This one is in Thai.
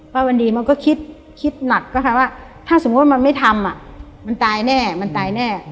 วันดีมันก็คิดหนักก็ค่ะว่าถ้าสมมุติว่ามันไม่ทำมันตายแน่มันตายแน่